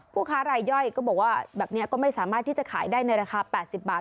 ผู้ค้ารายย่อยก็บอกว่าแบบนี้ก็ไม่สามารถที่จะขายได้ในราคา๘๐บาท